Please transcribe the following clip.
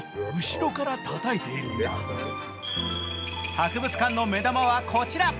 博物館の目玉はこちら。